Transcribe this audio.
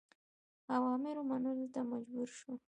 اوامرو منلو ته مجبور شو.